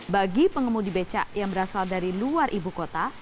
bagi pengemudi becak yang berasal dari luar ibu kota